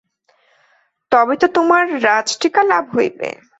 তবে তো তোমার রাজটিকা লাভ হইবে।